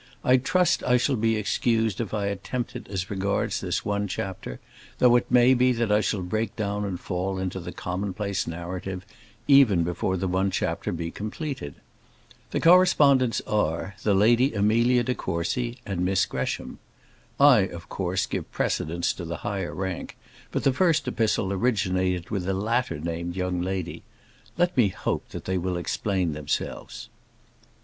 I trust I shall be excused if I attempt it as regards this one chapter; though, it may be, that I shall break down and fall into the commonplace narrative, even before the one chapter be completed. The correspondents are the Lady Amelia de Courcy and Miss Gresham. I, of course, give precedence to the higher rank, but the first epistle originated with the latter named young lady. Let me hope that they will explain themselves.